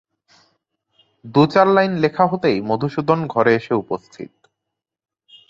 দু-চার line লেখা হতেই মধুসূদন ঘরে এসে উপস্থিত।